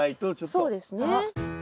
そうですね。